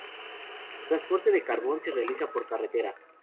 El transporte de carbón, se realiza por carretera.